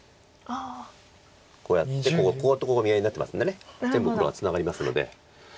こうやってこことここが見合いになってますんで全部黒はツナがりますので。